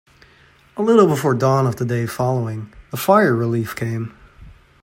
A little before dawn of the day following, the fire relief came.